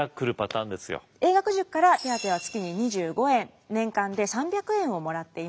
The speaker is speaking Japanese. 英学塾から手当は月に２５円年間で３００円をもらっていました。